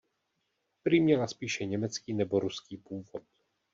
Prý měla spíše německý nebo ruský původ.